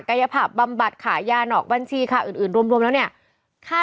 กายภาพบำบัดขายานอกบัญชีค่าอื่นรวมแล้วเนี่ยค่า